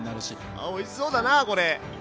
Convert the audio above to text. あおいしそうだなこれ！